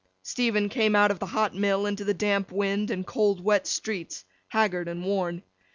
Stephen came out of the hot mill into the damp wind and cold wet streets, haggard and worn.